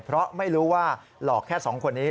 เพราะไม่รู้ว่าหลอกแค่๒คนนี้